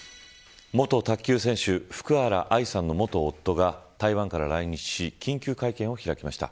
元卓球選手、福原愛さんの元夫が台湾から来日し、緊急会見を開きました。